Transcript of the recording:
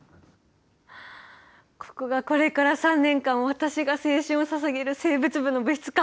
ここがこれから３年間私が青春をささげる生物部の部室か。